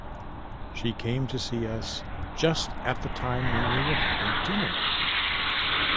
She came to see us just at the time when we were having dinner.